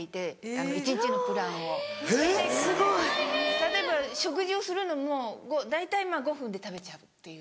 例えば食事をするのも大体５分で食べちゃうっていう。